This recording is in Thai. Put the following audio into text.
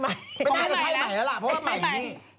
ไม่น่าจะใช่ใหม่แล้วล่ะเพราะว่าใหม่นี่